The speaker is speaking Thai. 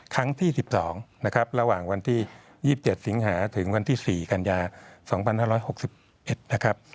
ที่๑๒นะครับระหว่างวันที่๒๗สิงหาถึงวันที่๔กันยา๒๕๖๑นะครับ